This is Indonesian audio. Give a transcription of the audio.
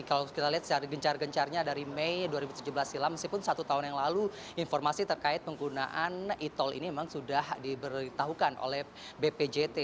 kalau kita lihat secara gencar gencarnya dari mei dua ribu tujuh belas silam meskipun satu tahun yang lalu informasi terkait penggunaan e tol ini memang sudah diberitahukan oleh bpjt